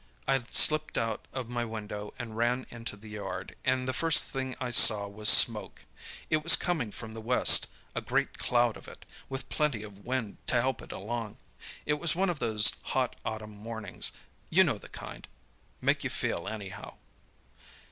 I slipped out of my window and ran into the yard, and the first thing I saw was smoke. It was coming from the west, a great cloud of it, with plenty of wind to help it along. It was one of those hot autumn mornings—you know the kind. Make you feel anyhow."